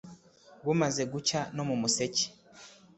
bumaze gucya no mu museke.